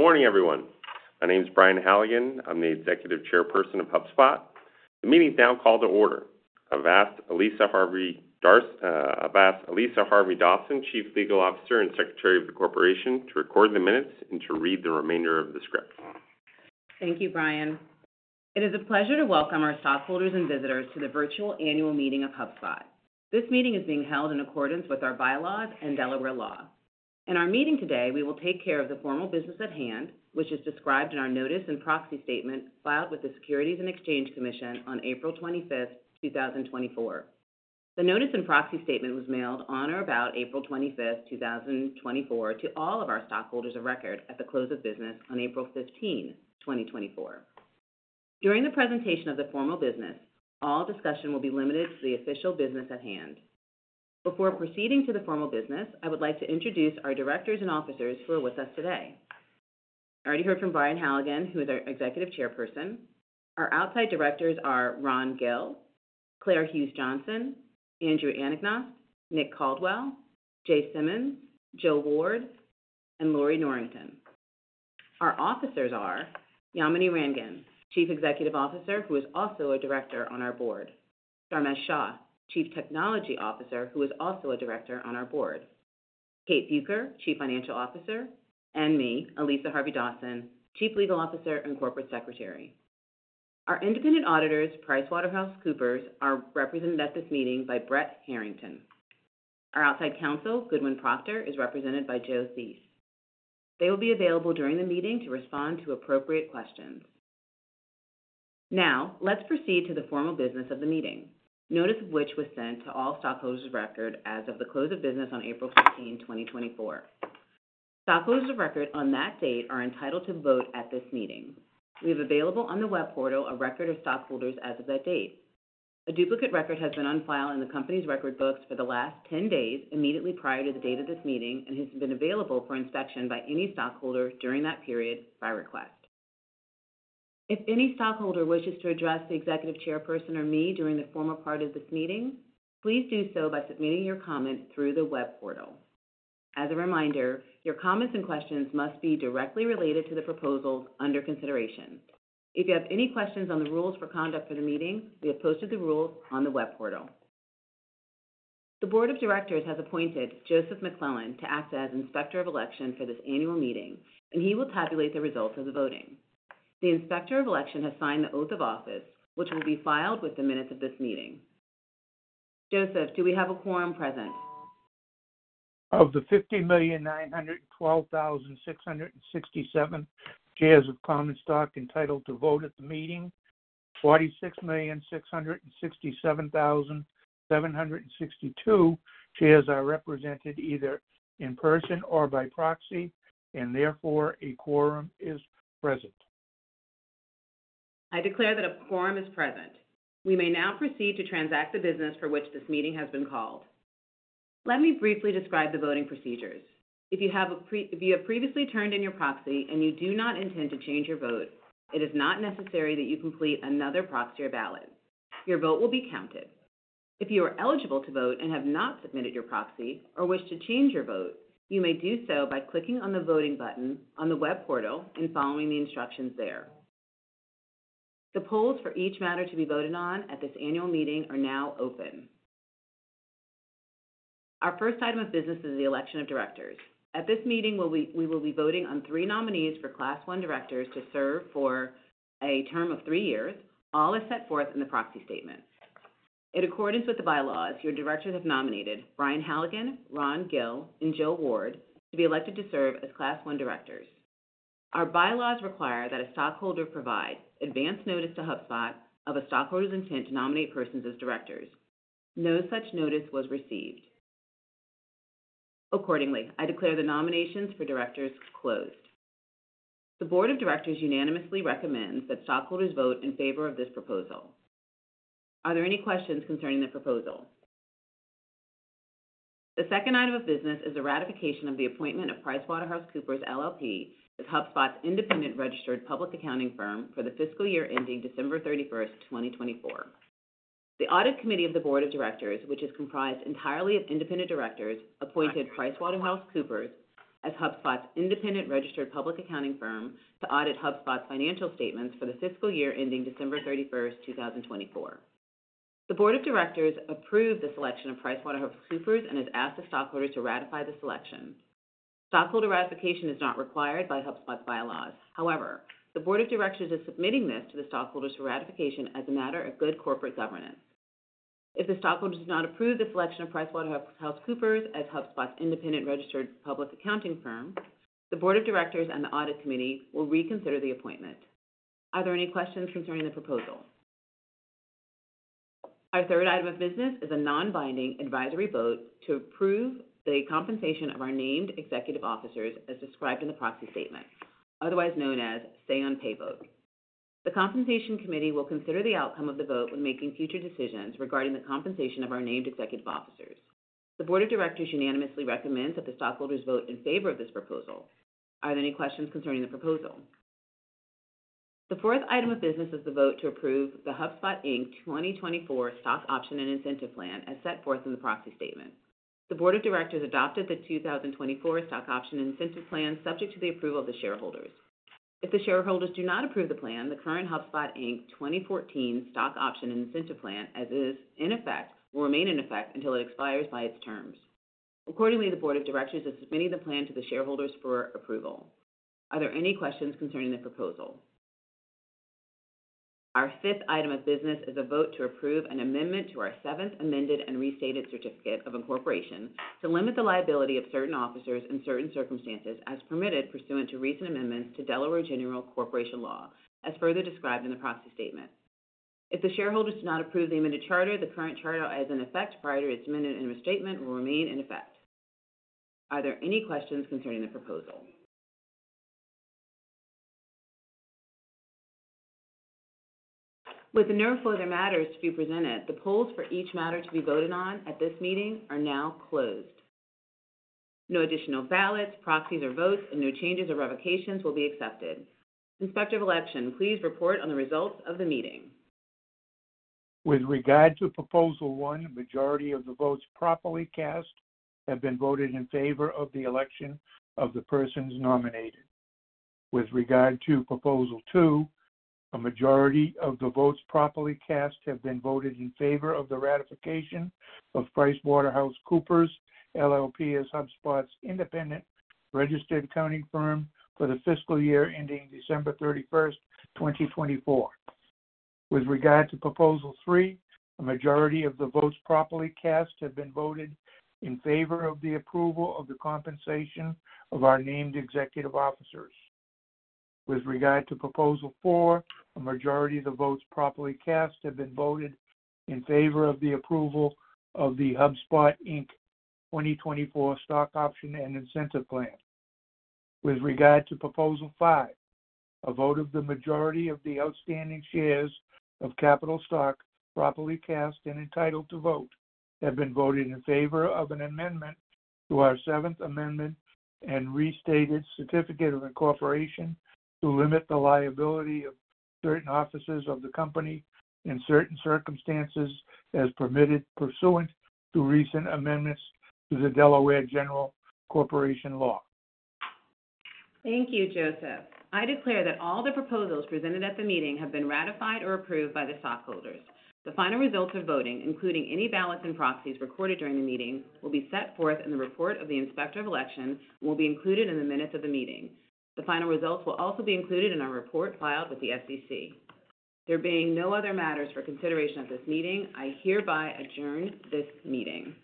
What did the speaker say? Morning, everyone. My name is Brian Halligan. I'm the Executive Chairperson of HubSpot. The meeting is now called to order. I've asked Alyssa Harvey Dawson, Chief Legal Officer and Secretary of the Corporation, to record the minutes and to read the remainder of the script. Thank you, Brian. It is a pleasure to welcome our stockholders and visitors to the virtual annual meeting of HubSpot. This meeting is being held in accordance with our bylaws and Delaware Law. In our meeting today, we will take care of the formal business at hand, which is described in our notice and proxy statement filed with the Securities and Exchange Commission on April 25, 2024. The notice and proxy statement was mailed on or about April 25, 2024, to all of our stockholders of record at the close of business on April 15, 2024. During the presentation of the formal business, all discussion will be limited to the official business at hand. Before proceeding to the formal business, I would like to introduce our directors and officers who are with us today. I already heard from Brian Halligan, who is our Executive Chairperson. Our outside directors are Ron Gill, Claire Hughes Johnson, Andrew Anagnost, Nick Caldwell, Jay Simons, Jill Ward, and Lorrie Norrington. Our officers are Yamini Rangan, Chief Executive Officer, who is also a director on our board. Dharmesh Shah, Chief Technology Officer, who is also a director on our board. Kate Bueker, Chief Financial Officer, and me, Alyssa Harvey Dawson, Chief Legal Officer and Corporate Secretary. Our independent auditors, PricewaterhouseCoopers, are represented at this meeting by Brett Harrington. Our outside counsel, Goodwin Procter, is represented by Joe Theis. They will be available during the meeting to respond to appropriate questions. Now, let's proceed to the formal business of the meeting, notice of which was sent to all stockholders of record as of the close of business on April 15, 2024. Stockholders of record on that date are entitled to vote at this meeting. We have available on the web portal a record of stockholders as of that date. A duplicate record has been on file in the company's record books for the last 10 days, immediately prior to the date of this meeting, and has been available for inspection by any stockholder during that period by request. If any stockholder wishes to address the Executive Chairperson or me during the formal part of this meeting, please do so by submitting your comment through the web portal. As a reminder, your comments and questions must be directly related to the proposals under consideration. If you have any questions on the rules for conduct of the meeting, we have posted the rules on the web portal. The board of directors has appointed Joseph McClellan to act as Inspector of Election for this annual meeting, and he will tabulate the results of the voting. The Inspector of Election has signed the oath of office, which will be filed with the minutes of this meeting. Joseph, do we have a quorum present? Of the 50,912,667 shares of common stock entitled to vote at the meeting, 46,667,762 shares are represented either in person or by proxy, and therefore a quorum is present. I declare that a quorum is present. We may now proceed to transact the business for which this meeting has been called. Let me briefly describe the voting procedures. If you have previously turned in your proxy and you do not intend to change your vote, it is not necessary that you complete another proxy or ballot. Your vote will be counted. If you are eligible to vote and have not submitted your proxy or wish to change your vote, you may do so by clicking on the voting button on the web portal and following the instructions there. The polls for each matter to be voted on at this annual meeting are now open. Our first item of business is the election of directors. At this meeting, we will be voting on three nominees for Class One Directors to serve for a term of three years, all as set forth in the proxy statement. In accordance with the bylaws, your directors have nominated Brian Halligan, Ron Gill and Jill Ward to be elected to serve as class one directors. Our bylaws require that a stockholder provide advance notice to HubSpot of a stockholder's intent to nominate persons as directors. No such notice was received. Accordingly, I declare the nominations for directors closed. The board of directors unanimously recommends that stockholders vote in favor of this proposal. Are there any questions concerning the proposal? The second item of business is the ratification of the appointment of PricewaterhouseCoopers LLP as HubSpot's independent registered public accounting firm for the fiscal year ending December 31, 2024. The audit committee of the Board of directors, which is comprised entirely of independent directors, appointed PricewaterhouseCoopers as HubSpot's independent registered public accounting firm to audit HubSpot's financial statements for the fiscal year ending December 31, 2024. The board of directors approved the selection of PricewaterhouseCoopers and has asked the stockholders to ratify the selection. Stockholder ratification is not required by HubSpot's bylaws. However, the board of directors is submitting this to the stockholders for ratification as a matter of good corporate governance. If the stockholders do not approve the selection of PricewaterhouseCoopers as HubSpot's independent registered public accounting firm, the board of directors and the audit committee will reconsider the appointment. Are there any questions concerning the proposal? Our third item of business is a non-binding advisory vote to approve the compensation of our named executive officers, as described in the proxy statement, otherwise known as say-on-pay vote. The compensation committee will consider the outcome of the vote when making future decisions regarding the compensation of our named executive officers. The board of directors unanimously recommends that the stockholders vote in favor of this proposal. Are there any questions concerning the proposal?... The fourth item of business is the vote to approve the HubSpot Inc 2024 Stock Option and Incentive Plan as set forth in the proxy statement. The board of directors adopted the 2024 Stock Option and Incentive Plan, subject to the approval of the shareholders. If the shareholders do not approve the plan, the current HubSpot Inc. 2014 Stock Option and Incentive Plan, as is in effect, will remain in effect until it expires by its terms. Accordingly, the board of directors is submitting the plan to the shareholders for approval. Are there any questions concerning the proposal? Our fifth item of business is a vote to approve an amendment to our seventh amended and restated certificate of incorporation to limit the liability of certain officers in certain circumstances as permitted pursuant to recent amendments to Delaware General Corporation Law, as further described in the proxy statement. If the shareholders do not approve the amended charter, the current charter as in effect prior to its amendment and restatement will remain in effect. Are there any questions concerning the proposal? With no further matters to be presented, the polls for each matter to be voted on at this meeting are now closed. No additional ballots, proxies, or votes, and no changes or revocations will be accepted. Inspector of Election, please report on the results of the meeting. With regard to proposal one, majority of the votes properly cast have been voted in favor of the election of the persons nominated. With regard to proposal two, a majority of the votes properly cast have been voted in favor of the ratification of PricewaterhouseCoopers LLP as HubSpot's independent registered accounting firm for the fiscal year ending December 31, 2024. With regard to proposal three, a majority of the votes properly cast have been voted in favor of the approval of the compensation of our named executive officers. With regard to proposal four, a majority of the votes properly cast have been voted in favor of the approval of the HubSpot Inc 2024 Stock Option and Incentive Plan. With regard to Proposal five, a vote of the majority of the outstanding shares of capital stock properly cast and entitled to vote have been voted in favor of an amendment to our Seventh Amended and Restated Certificate of Incorporation to limit the liability of certain officers of the company in certain circumstances as permitted pursuant to recent amendments to the Delaware General Corporation Law. Thank you, Joseph. I declare that all the proposals presented at the meeting have been ratified or approved by the stockholders. The final results of voting, including any ballots and proxies recorded during the meeting, will be set forth in the report of the Inspector of Election and will be included in the minutes of the meeting. The final results will also be included in our report filed with the SEC. There being no other matters for consideration at this meeting, I hereby adjourn this meeting.